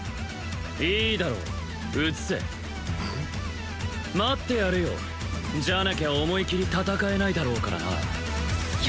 いいだろう移せ待ってやるよじゃなきゃ思いきり戦えないだろうからなよ